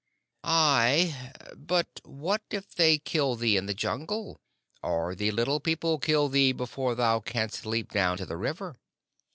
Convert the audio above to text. "Ay, but what if they kill thee in the Jungle, or the Little People kill thee before thou canst leap down to the river?"